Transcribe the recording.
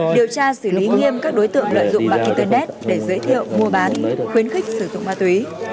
điều tra xử lý nghiêm các đối tượng lợi dụng mạng internet để giới thiệu mua bán khuyến khích sử dụng ma túy